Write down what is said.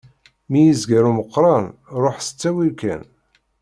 Mi yezger umeqran ruḥ s ttawil kan.